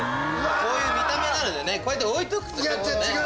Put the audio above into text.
こういう見た目なのでねこうやって置いとくとちょっと。